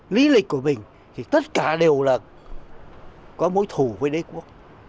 lý lịch của mình thì tất cả đều là có mối thù với đế quốc